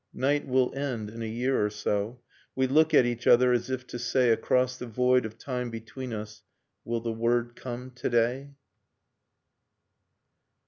.. Night will end in a year or so, We look at each other as if to say, Across the void of time between us, *Will the word come to day?